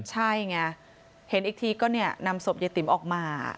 ใช่ไงเห็นอีกทีก็นำศพยายติ๋มออกมา